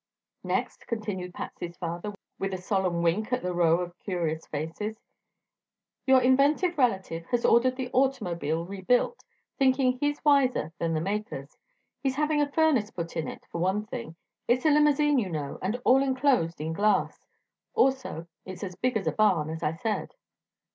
"Next," continued Patsy's father, with a solemn wink at the row of curious faces, "your inventive relative has ordered the automobile rebuilt, thinking he's wiser than the makers. He's having a furnace put in it, for one thing it's a limousine, you know, and all enclosed in glass. Also it's as big as a barn, as I said."